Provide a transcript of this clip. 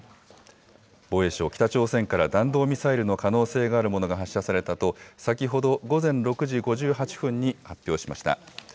防衛省、北朝鮮から弾道ミサイルの可能性のあるものが発射されたと、先ほど午前６時５８分に発表しました。